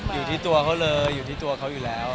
อยู่ที่ตัวเขาเลยอยู่ที่ตัวเขาอยู่แล้ว